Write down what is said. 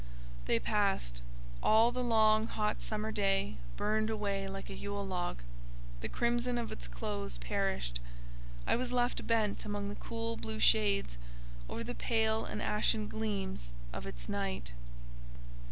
They passed. All the long, hot summer day burned away like a Yule log; the crimson of its close perished; I was left bent among the cool blue shades, over the pale and ashen gleams of its night.